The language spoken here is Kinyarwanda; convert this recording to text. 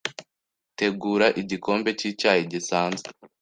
tegura igikombe cy’icyayi gisanzwe.